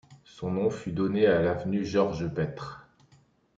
Son nom fut donné à l'avenue Georges Pètre.